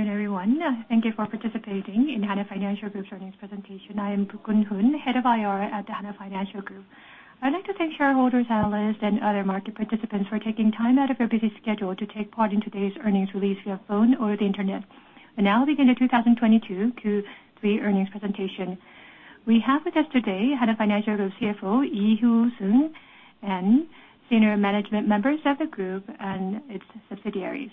Good afternoon, everyone. Thank you for participating in Hana Financial Group's earnings presentation. I am Guen-hoon Park, Head of IR at the Hana Financial Group. I'd like to thank shareholders, analysts, and other market participants for taking time out of your busy schedule to take part in today's earnings release via phone or the internet. We'll now begin the 2022 Q3 earnings presentation. We have with us today Hana Financial Group CFO, Hoo-seung Lee, and senior management members of the group and its subsidiaries.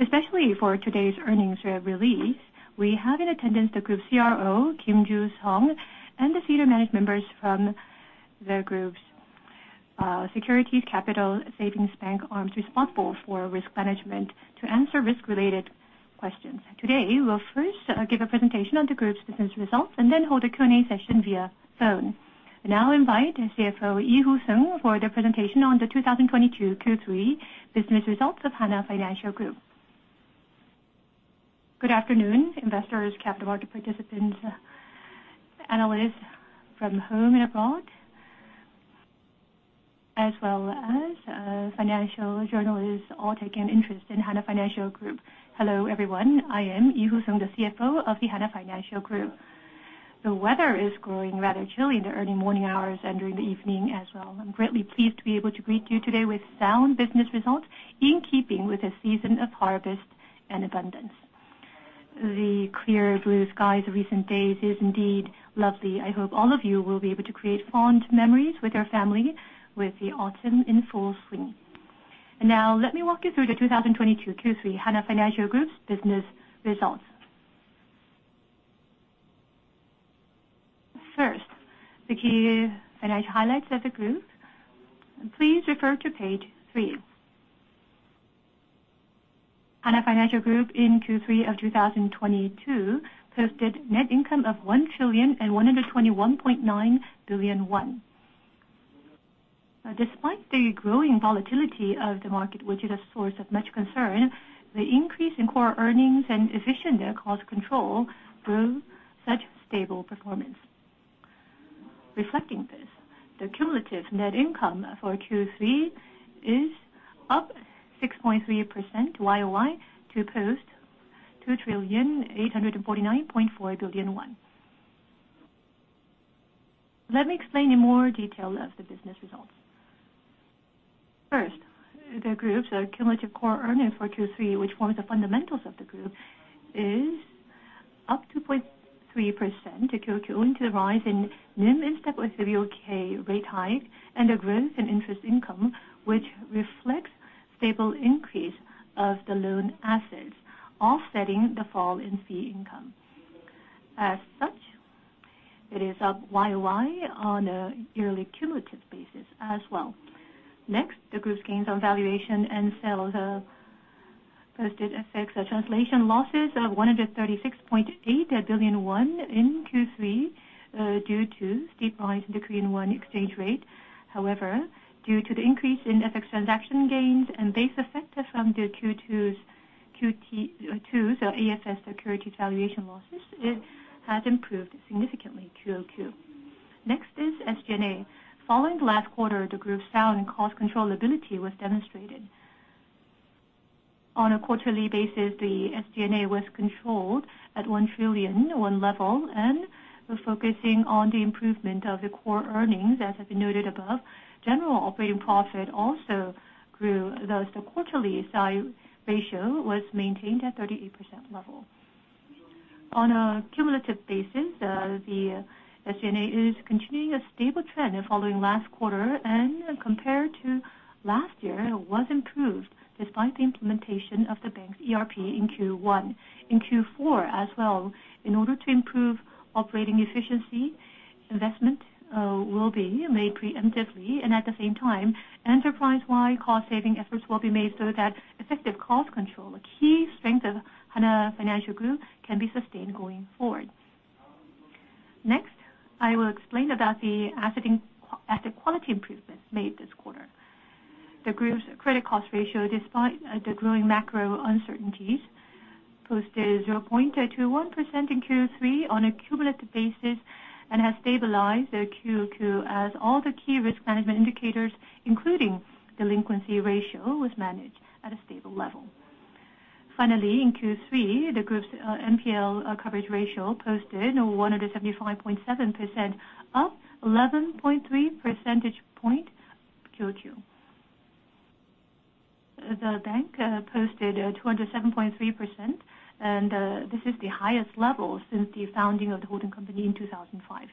Especially for today's earnings release, we have in attendance the Group CRO, Ju-Seong Kim, and the senior management members from the group's securities, capital, savings bank arms responsible for risk management to answer risk-related questions. Today, we'll first give a presentation on the group's business results and then hold a Q&A session via phone. We'll now invite CFO Hoo-seung Lee for the presentation on the 2022 Q3 business results of Hana Financial Group. Good afternoon, investors, capital market participants, analysts from home and abroad, as well as financial journalists all taking an interest in Hana Financial Group. Hello, everyone. I am Hoo-seung Lee, the CFO of the Hana Financial Group. The weather is growing rather chilly in the early morning hours and during the evening as well. I'm greatly pleased to be able to greet you today with sound business results in keeping with the season of harvest and abundance. The clear blue skies of recent days is indeed lovely. I hope all of you will be able to create fond memories with your family with the autumn in full swing. Now let me walk you through the 2022 Q3 Hana Financial Group's business results. First, the key financial highlights of the group. Please refer to page three. Hana Financial Group in Q3 of 2022 posted net income of 1,121.9 billion won. Despite the growing volatility of the market, which is a source of much concern, the increase in core earnings and efficient cost control grew such stable performance. Reflecting this, the cumulative net income for Q3 is up 6.3% YoY to post 2,849.4 billion won. Let me explain in more detail of the business results. First, the group's cumulative core earnings for Q3, which forms the fundamentals of the group, is up 2.3% QoQ due to the rise in NIM in step with BOK rate hike and a growth in interest income, which reflects stable increase of the loan assets, offsetting the fall in fee income. As such, it is up YoY on a yearly cumulative basis as well. Next, the group's gains on valuation and sale posted FX translation losses of 136.8 billion won in Q3 due to steep rise in the Korean won exchange rate. However, due to the increase in FX transaction gains and base effect from the Q2 AFS securities valuation losses, it has improved significantly QoQ. Next is SG&A. Following last quarter, the group's sound and cost controllability was demonstrated. On a quarterly basis, the SG&A was controlled at 1 trillion level, and we're focusing on the improvement of the core earnings, as has been noted above. General operating profit also grew, thus the quarterly C/I ratio was maintained at 38% level. On a cumulative basis, the SG&A is continuing a stable trend following last quarter, and compared to last year, was improved despite the implementation of the bank's ERP in Q1. In Q4 as well, in order to improve operating efficiency, investment will be made preemptively, and at the same time, enterprise-wide cost-saving efforts will be made so that effective cost control, a key strength of Hana Financial Group, can be sustained going forward. Next, I will explain about the asset quality improvements made this quarter. The group's credit cost ratio, despite the growing macro uncertainties, posted 0.21% in Q3 on a cumulative basis and has stabilized QoQ as all the key risk management indicators, including delinquency ratio, was managed at a stable level. Finally, in Q3, the group's NPL coverage ratio posted 175.7%, up 11.3 percentage point QoQ. The bank posted 207.3%, and this is the highest level since the founding of the holding company in 2005.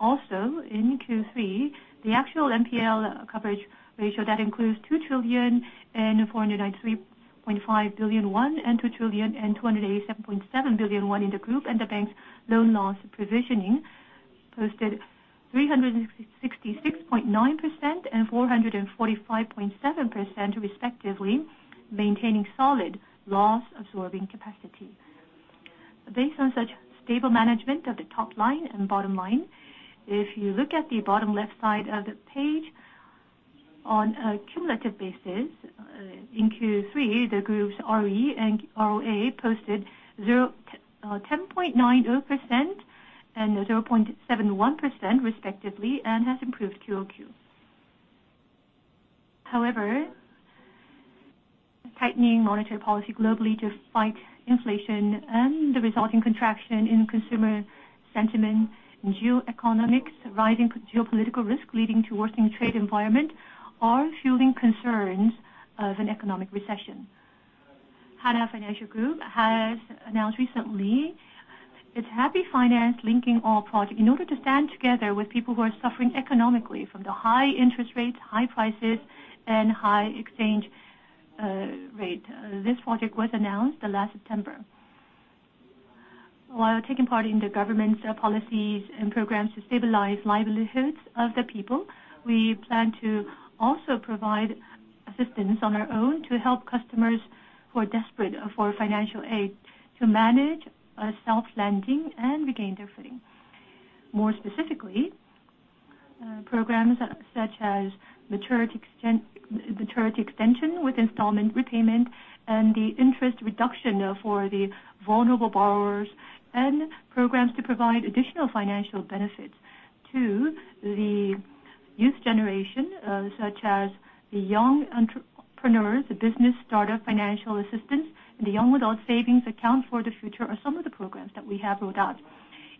Also, in Q3, the actual NPL coverage ratio that includes 2,493.5 billion and 2,287.7 billion in the group and the bank's loan loss provisioning posted 366.9% and 445.7% respectively, maintaining solid loss absorbing capacity. Based on such stable management of the top line and bottom line, if you look at the bottom left side of the page, on a cumulative basis, in Q3, the group's ROE and ROA posted 10.90% and 0.71% respectively and has improved QoQ. However, tightening monetary policy globally to fight inflation and the result in contraction in consumer sentiment, geo-economics, rising geopolitical risk leading to worsening trade environment are fueling concerns of an economic recession. Hana Financial Group has announced recently its Happy Finance Linking All project in order to stand together with people who are suffering economically from the high interest rates, high prices, and high exchange rate. This project was announced last September. While taking part in the government's policies and programs to stabilize livelihoods of the people, we plan to also provide assistance on our own to help customers who are desperate for financial aid to manage self-lending and regain their footing. More specifically, programs such as maturity extension with installment repayment and the interest reduction for the vulnerable borrowers, and programs to provide additional financial benefits to the youth generation, such as the young entrepreneurs, the business startup financial assistance, and the young adult savings account for the future are some of the programs that we have rolled out.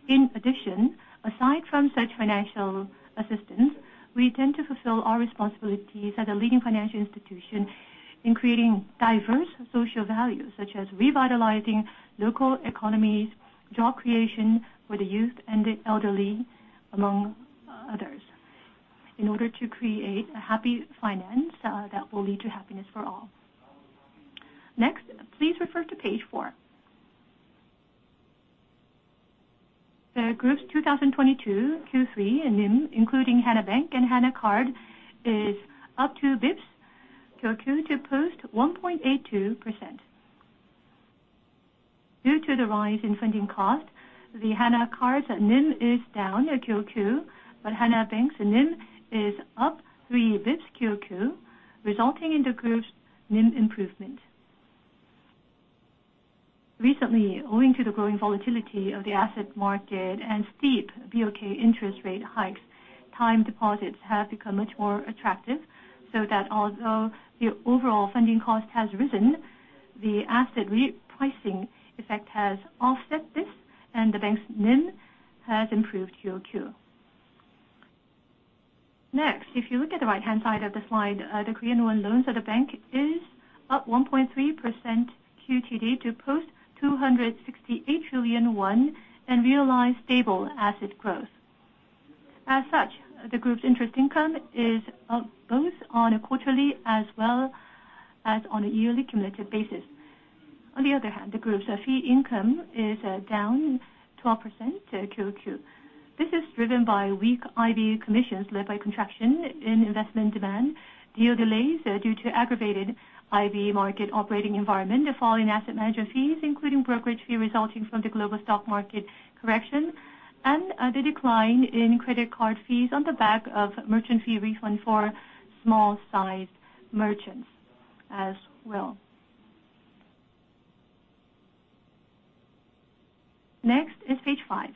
In addition, aside from such financial assistance, we intend to fulfill our responsibilities as a leading financial institution in creating diverse social value, such as revitalizing local economies, job creation for the youth and the elderly, among others, in order to create a Happy Finance that will lead to happiness for all. Next, please refer to page four. The group's 2022 Q3 NIM, including Hana Bank and Hana Card, is up 2 basis points QoQ to post 1.82%. Due to the rise in funding cost, the Hana Card's NIM is down QoQ, but Hana Bank's NIM is up 3 basis points QoQ, resulting in the group's NIM improvement. Recently, owing to the growing volatility of the asset market and steep BOK interest rate hikes, time deposits have become much more attractive, so that although the overall funding cost has risen, the asset repricing effect has offset this, and the bank's NIM has improved QoQ. Next, if you look at the right-hand side of the slide, the Korean won loans of the bank is up 1.3% QoTD to post 268 trillion won and realize stable asset growth. As such, the group's interest income is up both on a quarterly as well as on a yearly cumulative basis. On the other hand, the group's fee income is down 12% QoQ. This is driven by weak IB commissions led by contraction in investment demand, deal delays due to aggravated IB market operating environment, the fall in asset manager fees, including brokerage fee resulting from the global stock market correction, and the decline in credit card fees on the back of merchant fee refund for small-sized merchants as well. Next is page 5.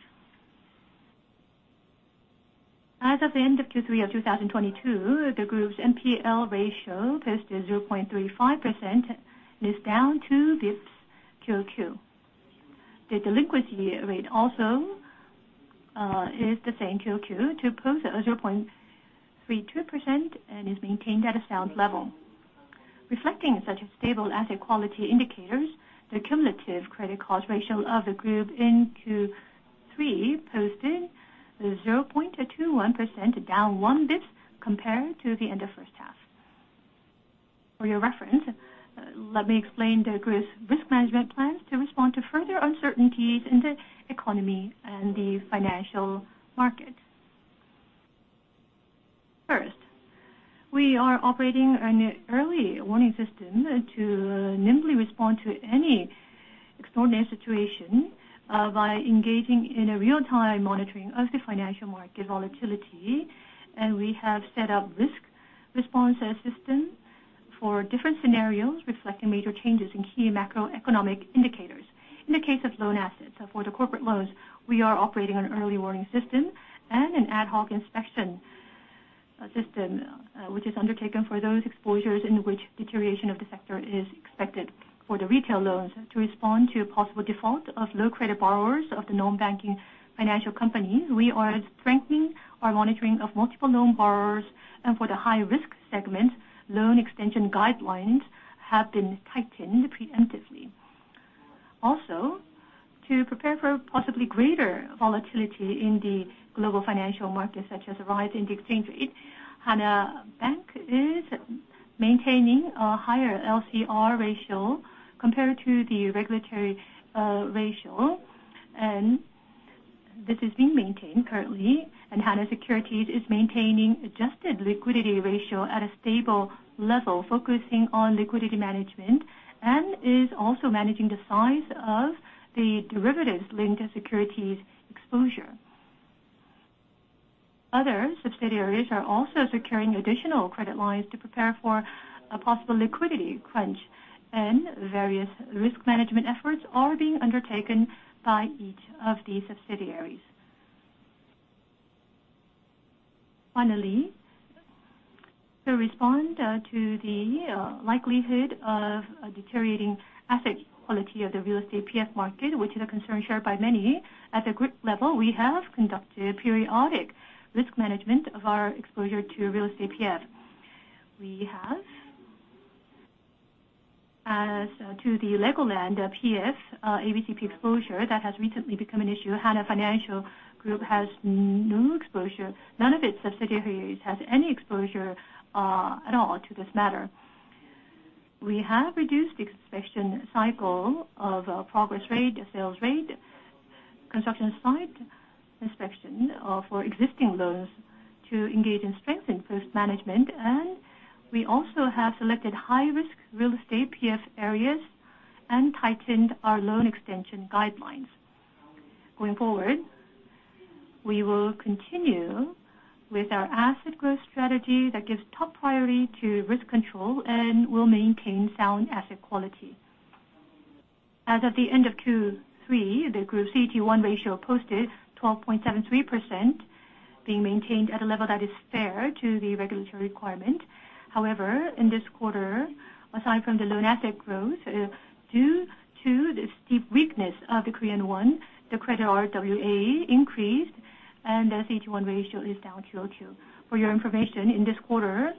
As of the end of Q3 of 2022, the group's NPL ratio posted 0.35% is down 2 basis points QoQ. The delinquency rate also is the same QoQ to post at 0.32% and is maintained at a sound level. Reflecting such stable asset quality indicators, the cumulative credit card ratio of the group in Q3 posted 0.21%, down 1 basis point compared to the end of first half. For your reference, let me explain the group's risk management plans to respond to further uncertainties in the economy and the financial market. First, we are operating an early warning system to nimbly respond to any extraordinary situation, by engaging in a real-time monitoring of the financial market volatility, and we have set up risk response system for different scenarios reflecting major changes in key macroeconomic indicators. In the case of loan assets, for the corporate loans, we are operating an early warning system and an ad hoc inspection system, which is undertaken for those exposures in which deterioration of the sector is expected. For the retail loans to respond to possible default of low credit borrowers of the non-banking financial companies, we are strengthening our monitoring of multiple loan borrowers, and for the high-risk segment, loan extension guidelines have been tightened preemptively. Also, to prepare for possibly greater volatility in the global financial market, such as a rise in the exchange rate, Hana Bank is maintaining a higher LCR ratio compared to the regulatory ratio, and this is being maintained currently, and Hana Securities is maintaining adjusted liquidity ratio at a stable level, focusing on liquidity management, and is also managing the size of the derivatives-linked securities exposure. Other subsidiaries are also securing additional credit lines to prepare for a possible liquidity crunch, and various risk management efforts are being undertaken by each of these subsidiaries. Finally, to respond to the likelihood of a deteriorating asset quality of the real estate PF market, which is a concern shared by many, at the group level, we have conducted periodic risk management of our exposure to real estate PF. We have, as to the Legoland PF ABCP exposure that has recently become an issue. Hana Financial Group has no exposure. None of its subsidiaries has any exposure at all to this matter. We have reduced the inspection cycle of progress rate, sales rate, construction site inspection for existing loans to enhance and strengthen post-management. We also have selected high-risk real estate PF areas and tightened our loan extension guidelines. Going forward, we will continue with our asset growth strategy that gives top priority to risk control and will maintain sound asset quality. As of the end of Q3, the Group CET1 ratio posted 12.73%, being maintained at a level that is fair to the regulatory requirement. However, in this quarter, aside from the loan asset growth, due to the steep weakness of the Korean won, the credit RWA increased and the CET1 ratio is down QoQ. For your information, in this quarter,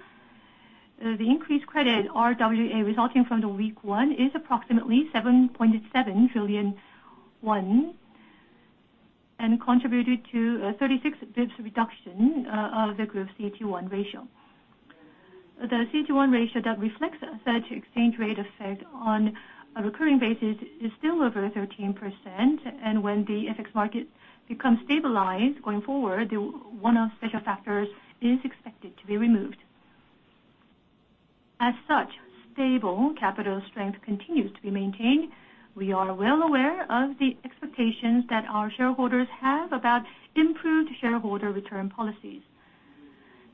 the increased credit RWA resulting from the weak won is approximately 7.7 trillion won and contributed to 36 basis points reduction of the Group's CET1 ratio. The CET1 ratio that reflects such exchange rate effect on a recurring basis is still over 13%, and when the FX market becomes stabilized going forward, the won special factors is expected to be removed. As such, stable capital strength continues to be maintained. We are well aware of the expectations that our shareholders have about improved shareholder return policies.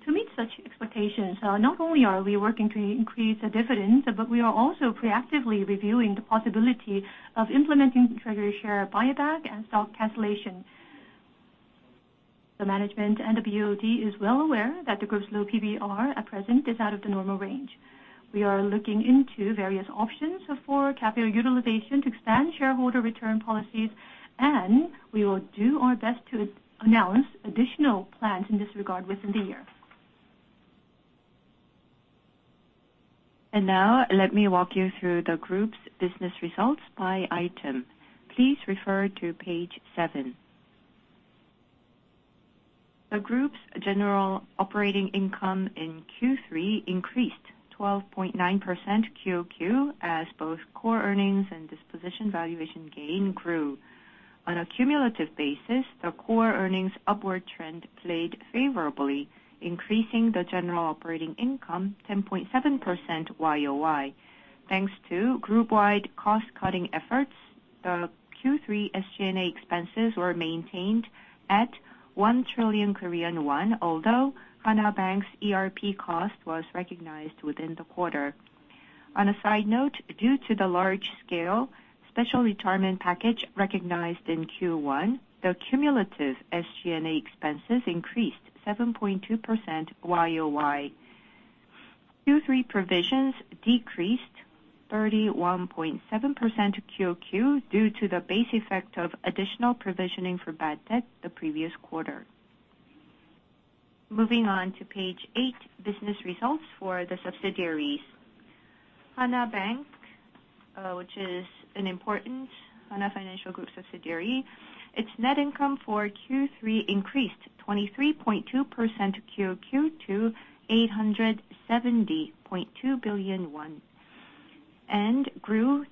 To meet such expectations, not only are we working to increase the dividends, but we are also proactively reviewing the possibility of implementing treasury share buyback and stock cancellation. The management and the BOD is well aware that the Group's low PBR at present is out of the normal range. We are looking into various options for capital utilization to expand shareholder return policies, and we will do our best to announce additional plans in this regard within the year. Now let me walk you through the Group's business results by item. Please refer to page seven. The Group's general operating income in Q3 increased 12.9% QoQ as both core earnings and disposition valuation gain grew. On a cumulative basis, the core earnings upward trend played favorably, increasing the general operating income 10.7% YoY. Thanks to group-wide cost-cutting efforts, the Q3 SG&A expenses were maintained at 1 trillion Korean won, although Hana Bank's ERP cost was recognized within the quarter. On a side note, due to the large scale special retirement package recognized in Q1, the cumulative SG&A expenses increased 7.2% YoY. Q3 provisions decreased 31.7% QoQ due to the base effect of additional provisioning for bad debt the previous quarter. Moving on to page eight, business results for the subsidiaries. Hana Bank, which is an important Hana Financial Group subsidiary, its net income for Q3 increased 23.2% QoQ to 870.2 billion won and grew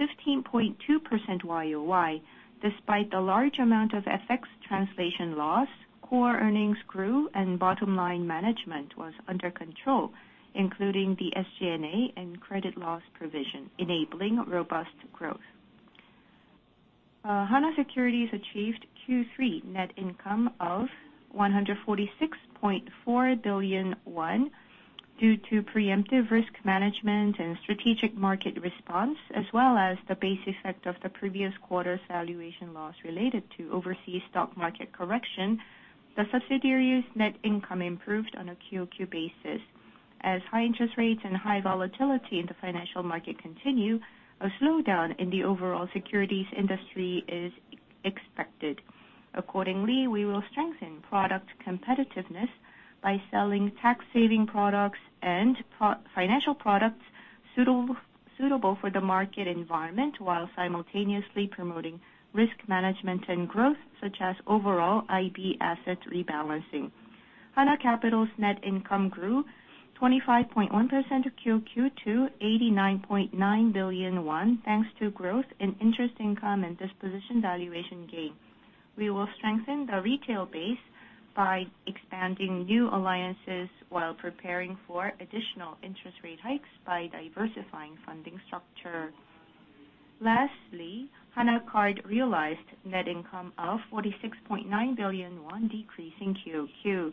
15.2% YoY. Despite the large amount of FX translation loss, core earnings grew and bottom line management was under control, including the SG&A and credit loss provision, enabling robust growth. Hana Securities achieved Q3 net income of 146.4 billion won due to preemptive risk management and strategic market response, as well as the base effect of the previous quarter's valuation loss related to overseas stock market correction. The subsidiary's net income improved on a QoQ basis. As high interest rates and high volatility in the financial market continue, a slowdown in the overall securities industry is expected. Accordingly, we will strengthen product competitiveness by selling tax saving products and pro-financial products suitable for the market environment, while simultaneously promoting risk management and growth, such as overall IB asset rebalancing. Hana Capital's net income grew 25.1% QoQ to 89.9 billion won, thanks to growth in interest income and disposition valuation gain. We will strengthen the retail base by expanding new alliances while preparing for additional interest rate hikes by diversifying funding structure. Lastly, Hana Card realized net income of 46.9 billion won, decreasing QoQ.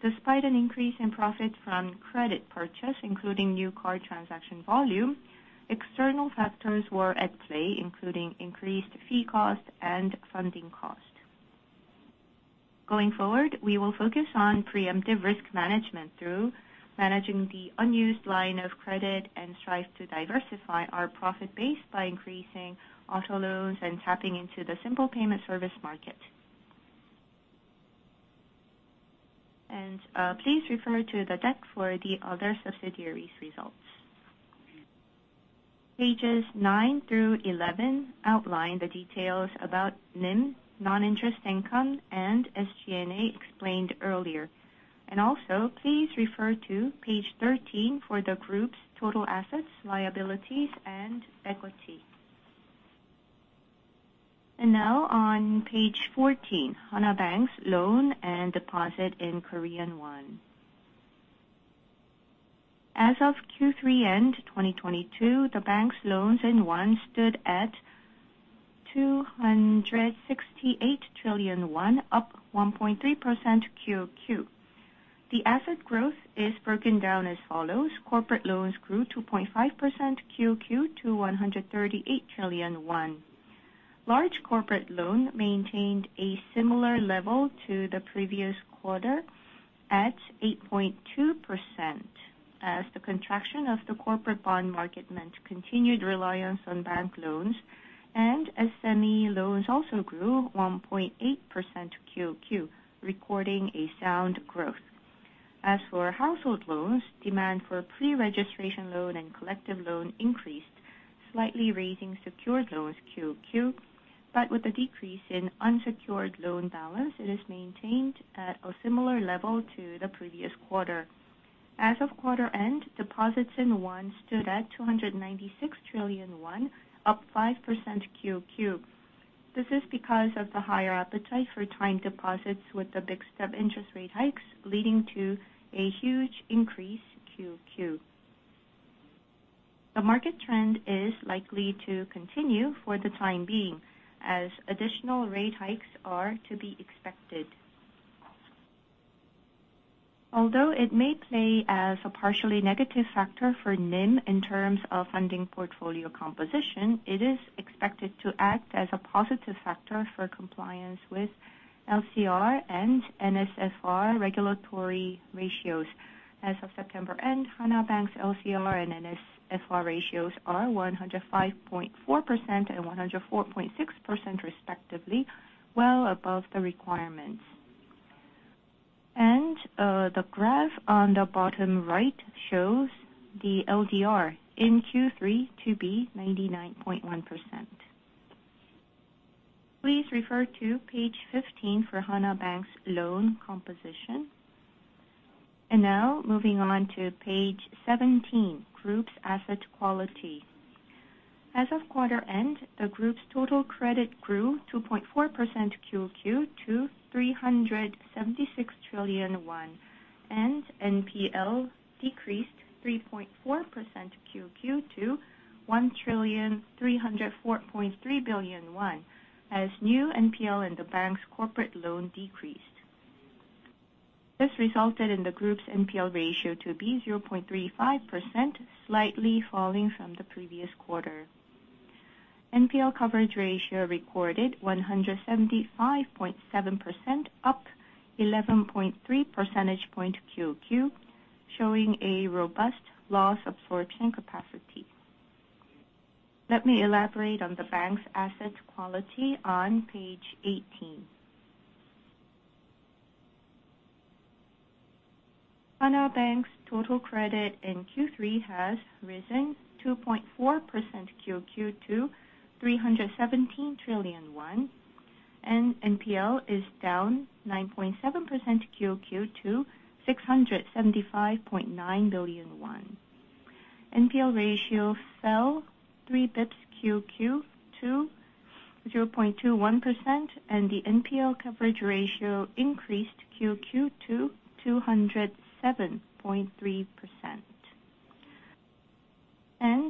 Despite an increase in profit from credit purchase, including new card transaction volume, external factors were at play, including increased fee cost and funding cost. Going forward, we will focus on preemptive risk management through managing the unused line of credit and strive to diversify our profit base by increasing auto loans and tapping into the simple payment service market. Please refer to the deck for the other subsidiaries results. Pages 9 through 11 outline the details about NIM, non-interest income, and SG&A explained earlier. Also please refer to page 13 for the group's total assets, liabilities, and equity. Now on page 14, Hana Bank's loans and deposits in Korean won. As of Q3 end 2022, the bank's loans in won stood at 268 trillion won, up 1.3% QoQ. The asset growth is broken down as follows. Corporate loans grew 2.5% QoQ to 138 trillion won. Large corporate loan maintained a similar level to the previous quarter at 8.2%, as the contraction of the corporate bond market meant continued reliance on bank loans. SME loans also grew 1.8% QoQ, recording a sound growth. As for household loans, demand for pre-registration loan and collective loan increased, slightly raising secured loans QoQ. With a decrease in unsecured loan balance, it is maintained at a similar level to the previous quarter. As of quarter end, deposits in KRW stood at 296 trillion, up 5% QoQ. This is because of the higher appetite for time deposits with the big step interest rate hikes, leading to a huge increase QoQ. The market trend is likely to continue for the time being, as additional rate hikes are to be expected. Although it may play as a partially negative factor for NIM in terms of funding portfolio composition, it is expected to act as a positive factor for compliance with LCR and NSFR regulatory ratios. As of September end, Hana Bank's LCR and NSFR ratios are 105.4% and 104.6% respectively, well above the requirements. The graph on the bottom right shows the LDR in Q3 to be 99.1%. Please refer to page 15 for Hana Bank's loan composition. Now moving on to page 17, Group's asset quality. As of quarter end, the group's total credit grew 2.4% QoQ to 376 trillion, and NPL decreased 3.4% QoQ to 1,304.3 billion won, as new NPL in the bank's corporate loan decreased. This resulted in the group's NPL ratio to be 0.35%, slightly falling from the previous quarter. NPL coverage ratio recorded 175.7%, up 11.3 percentage points QoQ, showing a robust loss absorption capacity. Let me elaborate on the bank's asset quality on page 18. Hana Bank's total credit in Q3 has risen 2.4% QoQ to 317 trillion won, and NPL is down 9.7% QoQ to 675.9 billion won. NPL ratio fell three basis points QoQ to 0.21%, and the NPL coverage ratio increased QoQ to 207.3%.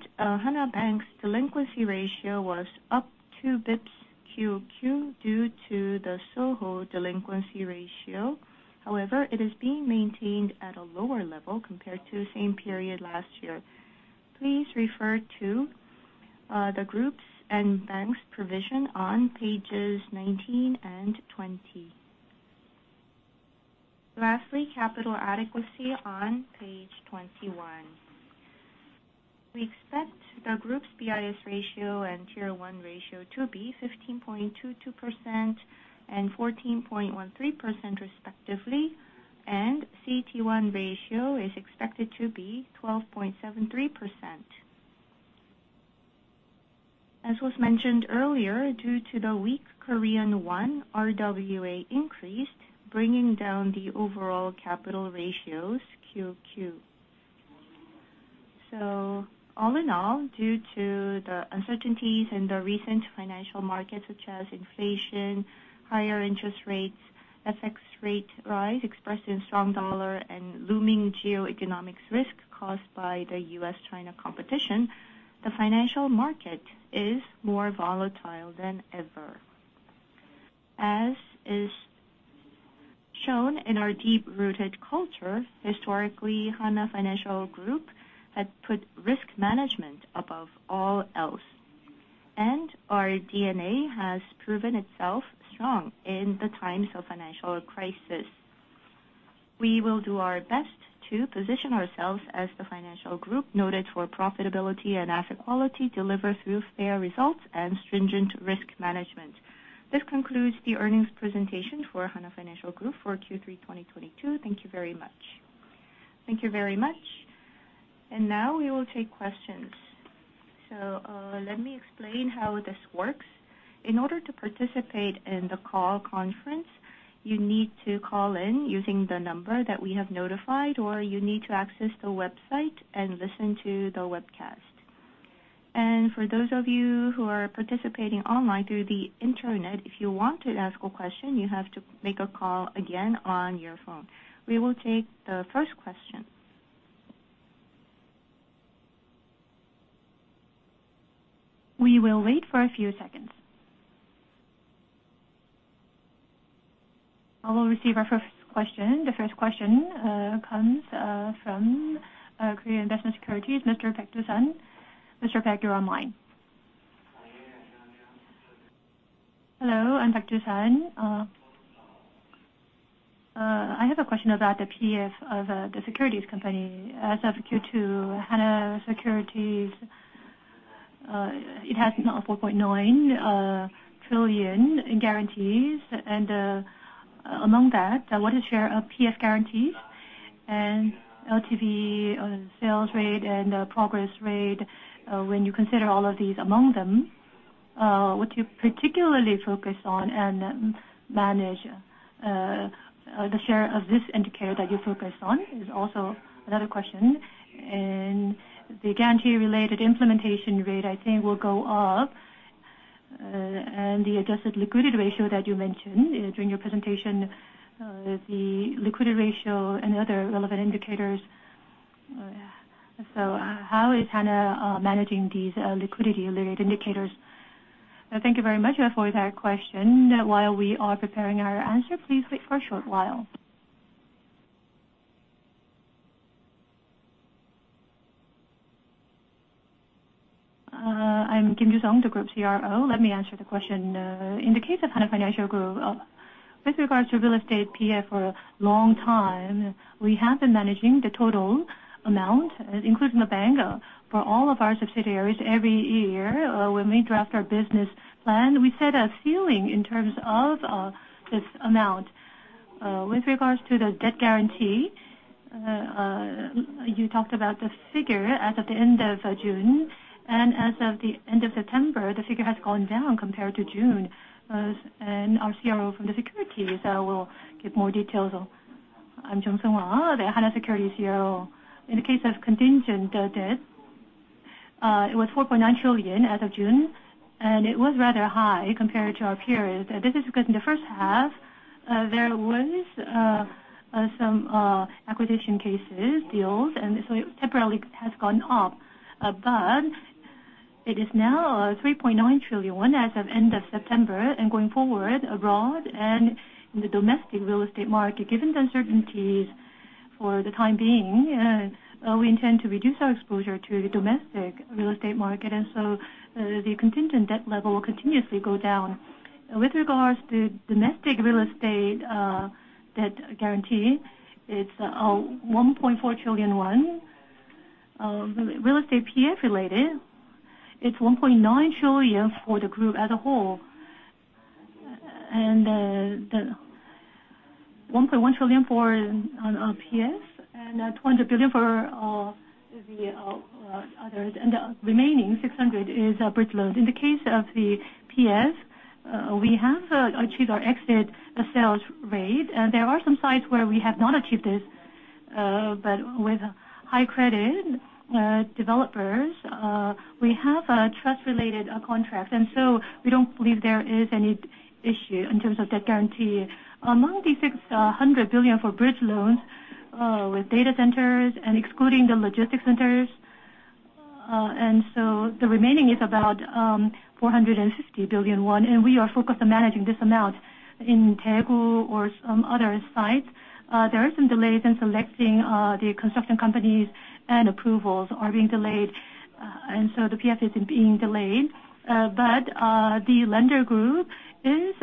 Hana Bank's delinquency ratio was up two basis points QoQ due to the SOHO delinquency ratio. However, it is being maintained at a lower level compared to the same period last year. Please refer to the groups and banks' provision on pages 19 and 20. Lastly, capital adequacy on page 21. We expect the group's BIS ratio and Tier 1 ratio to be 15.22% and 14.13% respectively, and CET1 ratio is expected to be 12.73%. As was mentioned earlier, due to the weak Korean won, RWA increased, bringing down the overall capital ratios QoQ. All in all, due to the uncertainties in the recent financial markets, such as inflation, higher interest rates, FX rate rise expressed in strong dollar and looming geoeconomics risk caused by the U.S.-China competition, the financial market is more volatile than ever. As is shown in our deep-rooted culture, historically, Hana Financial Group had put risk management above all else, and our DNA has proven itself strong in the times of financial crisis. We will do our best to position ourselves as the financial group noted for profitability and asset quality delivered through fair results and stringent risk management. This concludes the earnings presentation for Hana Financial Group for Q3 2022. Thank you very much. Thank you very much. Now we will take questions. Let me explain how this works. In order to participate in the call conference, you need to call in using the number that we have notified, or you need to access the website and listen to the webcast. For those of you who are participating online through the internet, if you want to ask a question, you have to make a call again on your phone. We will take the first question. We will wait for a few seconds. I will receive our first question. The first question comes from Korea Investment & Securities, Mr. Doosan Baek. Mr. Baek, you're online. Hello, I'm Doosan Baek. I have a question about the PF of the securities company. As of Q2, Hana Securities, it has now 4.9 trillion in guarantees. Among that, what is share of PF guarantees and LTV, sales rate, and progress rate, when you consider all of these among them, what you particularly focus on and manage, the share of this indicator that you focus on is also another question. The guarantee-related implementation rate, I think, will go up. The adjusted liquidity ratio that you mentioned during your presentation, the liquidity ratio and other relevant indicators. How is Hana managing these liquidity-related indicators? Thank you very much for that question. While we are preparing our answer, please wait for a short while. I'm Ju-Seong Kim, the Group CRO. Let me answer the question. In the case of Hana Financial Group, with regards to real estate PF for a long time, we have been managing the total amount, including the bank, for all of our subsidiaries every year. When we draft our business plan, we set a ceiling in terms of this amount. With regards to the debt guarantee, you talked about the figure as of the end of June, and as of the end of September, the figure has gone down compared to June. Our CRO from the securities will give more details. I'm Jung Seung-hwa, the Hana Securities CRO. In the case of contingent debt, it was 4.9 trillion as of June, and it was rather high compared to our period. This is because in the first half, there was some acquisition cases, deals, and so it temporarily has gone up. It is now 3.9 trillion won as of end of September. Going forward abroad and in the domestic real estate market, given the uncertainties for the time being, we intend to reduce our exposure to domestic real estate market. The contingent debt level will continuously go down. With regards to domestic real estate debt guarantee, it's 1.4 trillion won. Real estate PF related, it's 1.9 trillion for the group as a whole. The 1.1 trillion for our PF, and 20 billion for the others. The remaining 600 billion is bridge loans. In the case of the PF, we have achieved our exit sales rate. There are some sites where we have not achieved this, but with high credit developers, we have a Trust-related contract, and so we don't believe there is any issue in terms of debt guarantee. Among the 600 billion for bridge loans with data centers and excluding the logistics centers, the remaining is about 450 billion won, and we are focused on managing this amount. In Daegu or some other sites, there are some delays in selecting the construction companies, and approvals are being delayed, so the PF is being delayed. The lender group is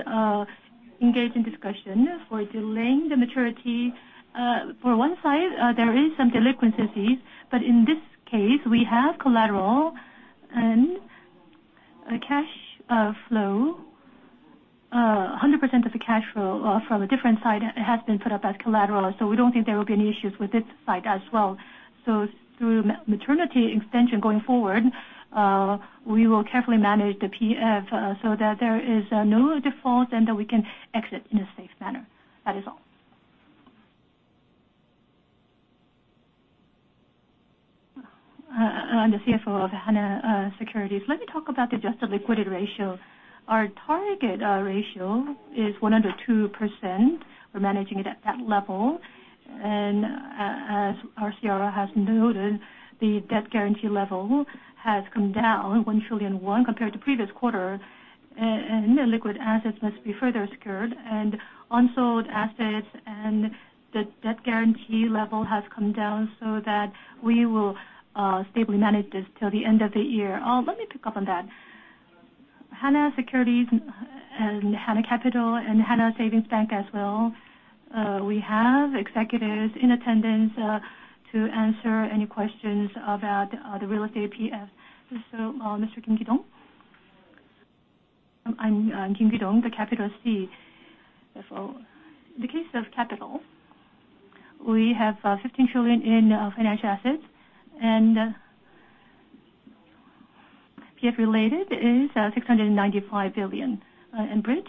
engaged in discussion for delaying the maturity. For one site, there is some delinquencies, but in this case, we have collateral and a cash flow. 100% of the cash flow from a different site has been put up as collateral, so we don't think there will be any issues with this site as well. Through maturity extension going forward, we will carefully manage the PF so that there is no default and that we can exit in a safe manner. That is all. I'm the CFO of Hana Securities. Let me talk about the adjusted liquidity ratio. Our target ratio is 102%. We're managing it at that level. As our CRO has noted, the debt guarantee level has come down 1 trillion won compared to previous quarter, and the liquid assets must be further secured and unsold assets and the debt guarantee level has come down so that we will stably manage this till the end of the year. Let me pick up on that. Hana Securities and Hana Capital and Hana Savings Bank as well, we have executives in attendance, to answer any questions about the real estate PF. Mr. Kim Ki-dong. I'm Kim Ki-dong, the Capital C. The case of Capital, we have 15 trillion in financial assets, and PF-related is 695 billion. Bridge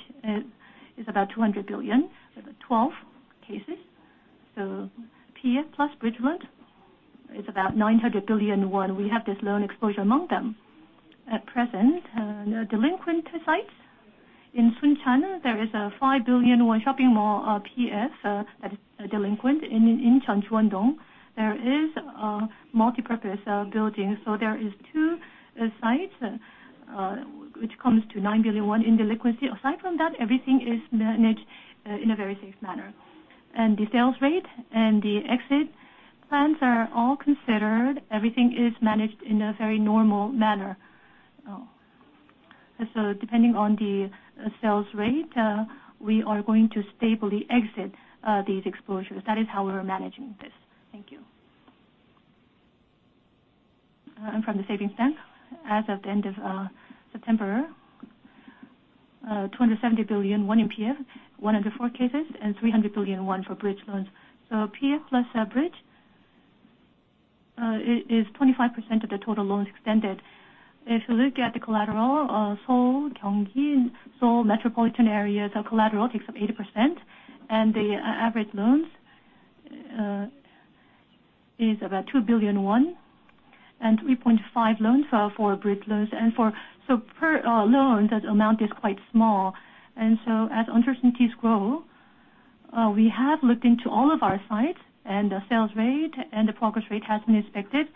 is about 200 billion, twelve cases. PF plus bridge loans is about 900 billion won. We have this loan exposure among them. At present, delinquent sites in Suncheon, there is a 5 billion won shopping mall PF that is delinquent. In Incheon Juan-dong, there is multipurpose building. There is two sites, which comes to 9 billion won in delinquency. Aside from that, everything is managed in a very safe manner. The sales rate and the exit plans are all considered. Everything is managed in a very normal manner. Depending on the sales rate, we are going to stably exit these exposures. That is how we are managing this. Thank you. From the savings bank, as of the end of September, 270 billion in PF, 104 cases, and 300 billion for bridge loans. So PF plus bridge is 25% of the total loans extended. If you look at the collateral, Seoul, Gyeonggi, and Seoul metropolitan areas, the collateral takes up 80%, and the average loans is about 2 billion won and 3.5 loans for bridge loans. So per loans, that amount is quite small. As uncertainties grow, we have looked into all of our sites and the sales rate, and the progress rate has been expected.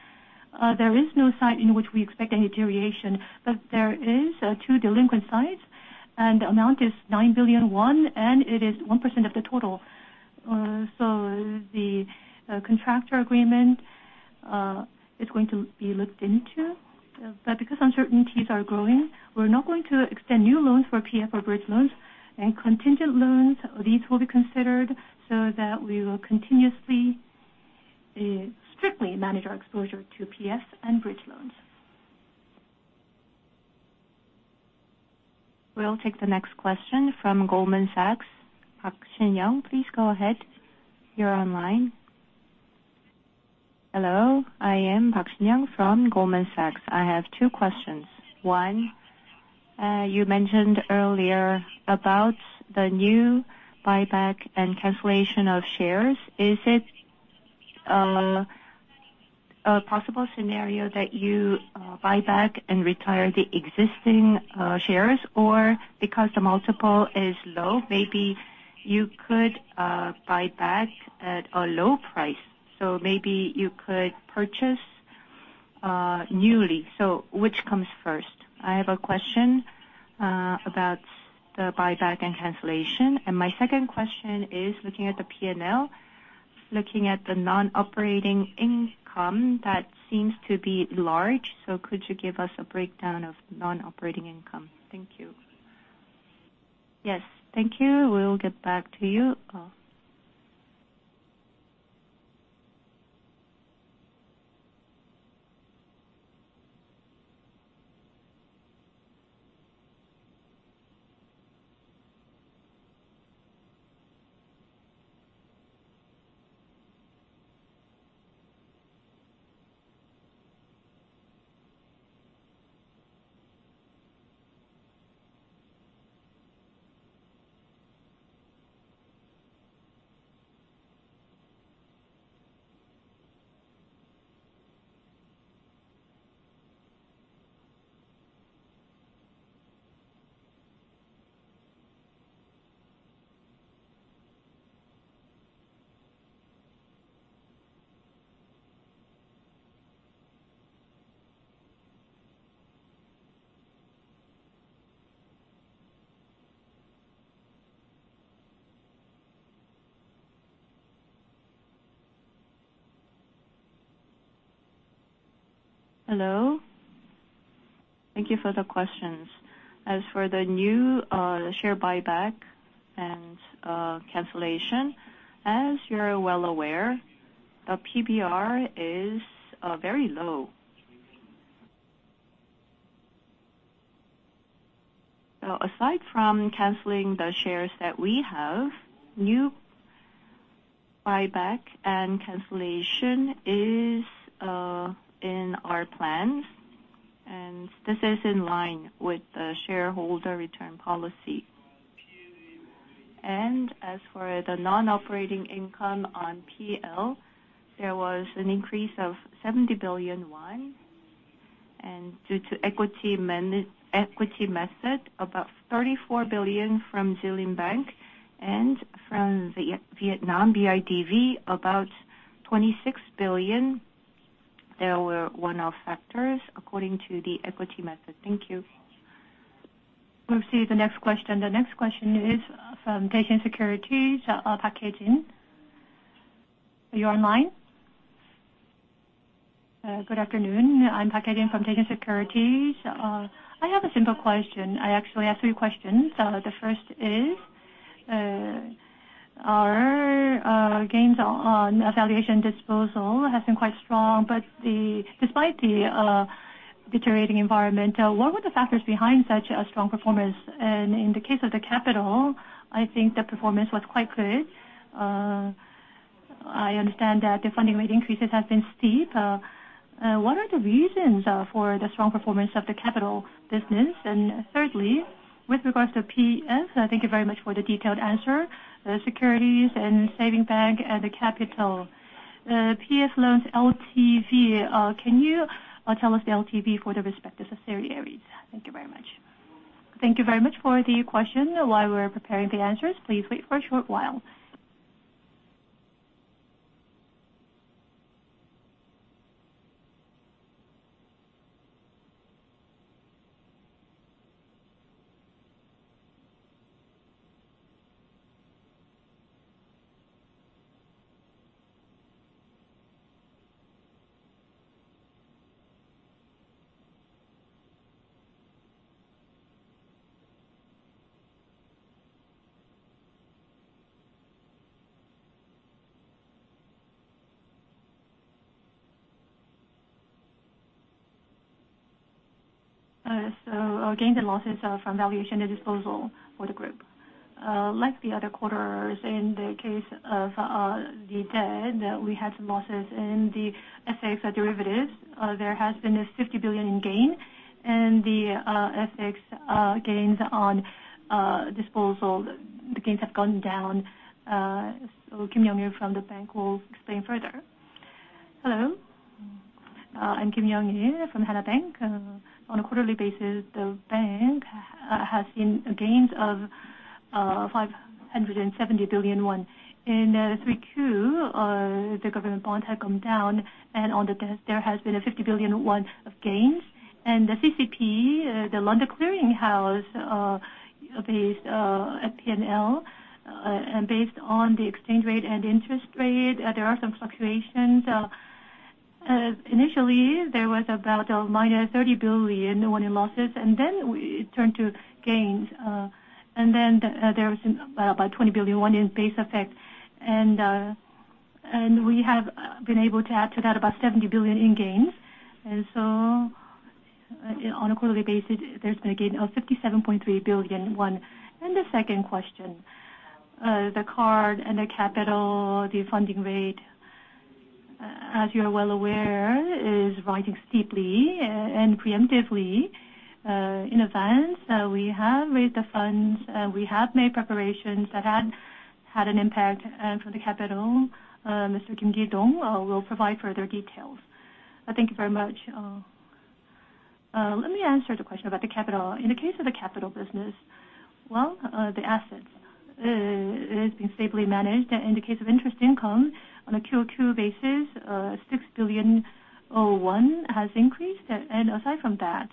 There is no site in which we expect any deterioration, but there is two delinquent sites, and the amount is 9 billion won, and it is 1% of the total. The contractor agreement is going to be looked into. But because uncertainties are growing, we're not going to extend new loans for PF or bridge loans. Contingent loans, these will be considered so that we will continuously strictly manage our exposure to PFs and bridge loans. We'll take the next question from Goldman Sachs. Park Shin-young, please go ahead. You're online. Hello, I am Park Shin-young from Goldman Sachs. I have two questions. One, you mentioned earlier about the new buyback and cancellation of shares. Is it a possible scenario that you buy back and retire the existing shares? Or because the multiple is low, maybe you could buy back at a low price, so maybe you could purchase newly. So which comes first? I have a question about the buyback and cancellation. My second question is looking at the P&L, looking at the non-operating income, that seems to be large. So could you give us a breakdown of non-operating income? Thank you. Yes. Thank you. We'll get back to you. Hello. Thank you for the questions. As for the new share buyback and cancellation, as you're well aware, the PBR is very low. So aside from canceling the shares that we have, new buyback and cancellation is in our plans, and this is in line with the shareholder return policy. As for the non-operating income on P&L, there was an increase of 70 billion won. Due to equity method, about 34 billion from Bank of Jilin and from Vietnam BIDV, about 26 billion. There were one-off factors according to the equity method. Thank you. We'll see the next question. The next question is from Daiwa Securities, Park Hae-jin. Are you online? Good afternoon. I'm Park Hae-jin from Daiwa Securities. I have a simple question. I actually have three questions. The first is, our gains on valuation disposal has been quite strong, but despite the deteriorating environment, what were the factors behind such a strong performance? In the case of the capital, I think the performance was quite good. I understand that the funding rate increases have been steep. What are the reasons for the strong performance of the capital business? Thirdly, with regards to PF, thank you very much for the detailed answer. The securities and savings bank and the capital PF loans LTV, can you tell us the LTV for the respective subsidiaries? Thank you very much. Thank you very much for the question. While we're preparing the answers, please wait for a short while. Gains and losses from valuation and disposal for the group. Like the other quarters, in the case of the debt, we had some losses in the FX derivatives. There has been a 50 billion in gain, and the FX gains on disposal, the gains have gone down. Kim Yong-seok from the bank will explain further. Hello. I'm Kim Yong-seok from Hana Bank. On a quarterly basis, the bank has seen gains of 570 billion won. In 3Q, the government bond had come down, and on the debt, there has been a 50 billion of gains. The CCP, the LCH-based P&L and based on the exchange rate and interest rate, there are some fluctuations. Initially, there was about -30 billion in losses, and then it turned to gains. There was about 20 billion in base effect. We have been able to add to that about 70 billion in gains. On a quarterly basis, there's been a gain of 57.3 billion. The second question. The card and the capital, the funding rate, as you are well aware, is rising steeply and preemptively, in advance. We have raised the funds, we have made preparations that had an impact from the capital. Mr. Kim Ki-dong will provide further details. Thank you very much. Let me answer the question about the capital. In the case of the capital business, the assets are being stably managed. In the case of interest income on a QoQ basis, 6 billion has increased. And aside from that,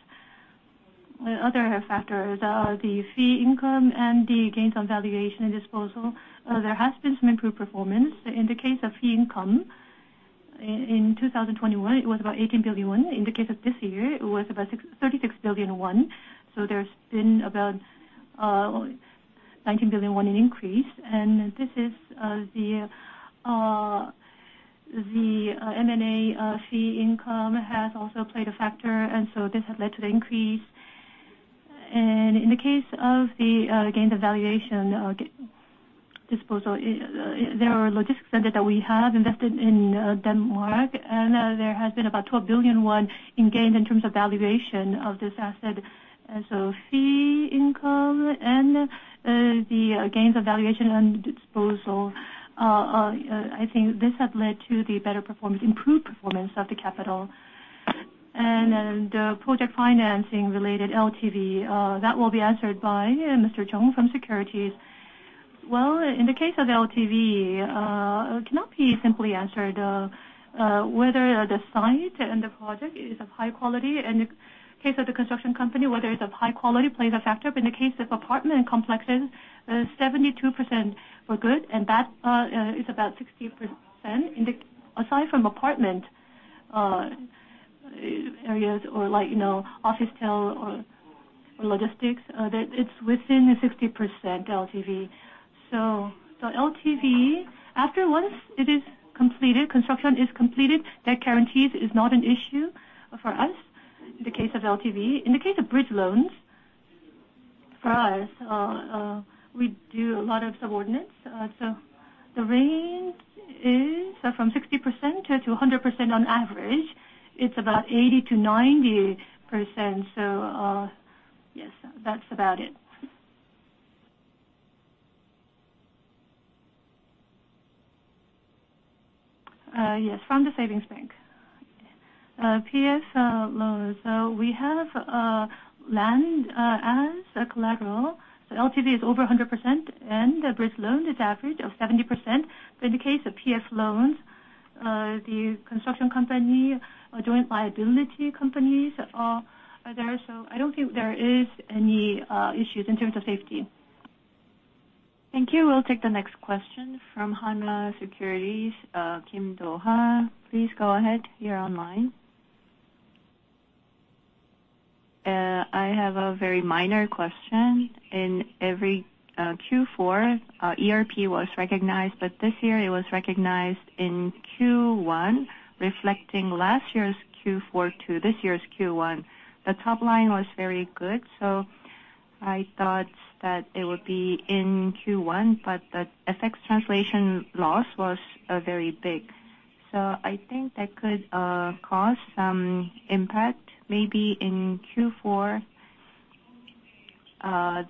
other factors, the fee income and the gains on valuation and disposal, there has been some improved performance. In the case of fee income, in 2021, it was about 18 billion won. In the case of this year, it was about thirty-six billion won. There's been about 19 billion won in increase. This is, the M&A fee income has also played a factor, and so this has led to the increase. In the case of the gains of valuation disposal, there are logistics center that we have invested in Denmark, and there has been about 12 billion won in gains in terms of valuation of this asset. Fee income and the gains of valuation and disposal, I think this had led to the better performance, improved performance of the capital. The project financing related LTV that will be answered by Mr. Jung from Hana Securities. In the case of LTV, it cannot be simply answered. Whether the site and the project is of high quality. In the case of the construction company, whether it's of high quality plays a factor. In the case of apartment complexes, 72% were good, and that is about 60%. Aside from apartment areas or office tower or logistics that it's within the 60% LTV. The LTV, after once it is completed, construction is completed, debt guarantees is not an issue for us in the case of LTV. In the case of bridge loans, for us, we do a lot of subordinated. The range is from 60%-100% on average. It's about 80%-90%. Yes, that's about it. Yes, from the savings bank. PF loans. We have land as a collateral. The LTV is over 100%, and the bridge loan is average of 70%. But in the case of PF loans, the construction company or joint liability companies are there, so I don't think there is any issues in terms of safety. Thank you. We'll take the next question from Hana Securities, Kim Do-ha. Please go ahead. You're online. I have a very minor question. In every Q4, our ERP was recognized, but this year it was recognized in Q1, reflecting last year's Q4 to this year's Q1. The top line was very good, so I thought that it would be in Q1, but the FX translation loss was very big. I think that could cause some impact maybe in Q4.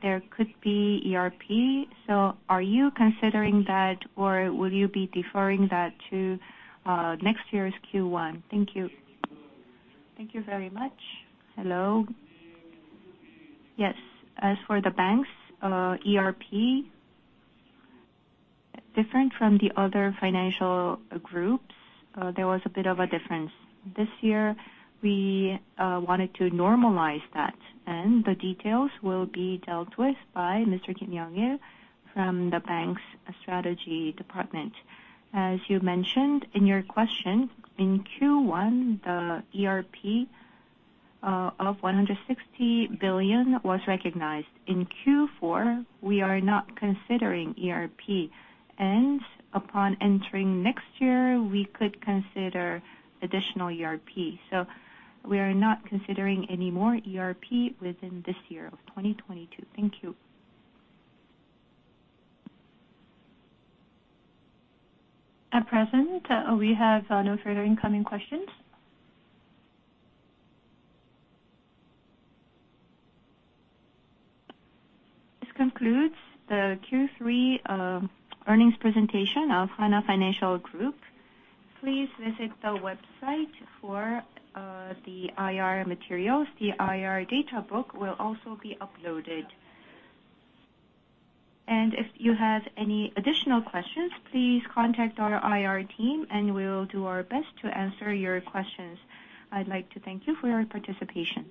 There could be ERP. Are you considering that, or will you be deferring that to next year's Q1? Thank you. Thank you very much. Hello. Yes. As for the banks ERP, different from the other financial groups, there was a bit of a difference. This year, we wanted to normalize that, and the details will be dealt with by Mr. Kim Yong-il from the bank's strategy department. As you mentioned in your question, in Q1, the ERP of 160 billion was recognized. In Q4, we are not considering ERP, and upon entering next year, we could consider additional ERP. We are not considering any more ERP within this year of 2022. Thank you. At present, we have no further incoming questions. This concludes the Q3 earnings presentation of Hana Financial Group. Please visit the website for the IR materials. The IR data book will also be uploaded. If you have any additional questions, please contact our IR team, and we will do our best to answer your questions. I'd like to thank you for your participation.